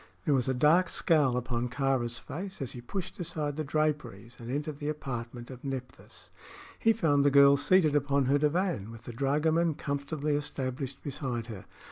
There was a dark scowl upon Kāra's face as he pushed aside the draperies and entered the apartment of Nephthys. He found the girl seated upon her divan, with the dragoman comfortably established beside her.